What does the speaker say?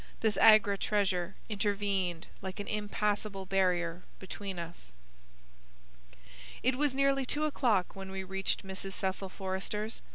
This Agra treasure intervened like an impassable barrier between us. It was nearly two o'clock when we reached Mrs. Cecil Forrester's.